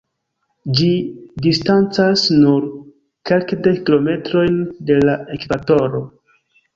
Ĝi distancas nur kelkdek kilometrojn de la ekvatoro.